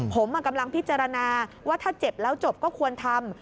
ผมกำลังพิจารณาว่าถ้าเจ็บแล้วจบก็ควรทำ